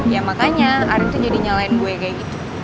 ya makanya arin itu jadi nyalain gue kayak gitu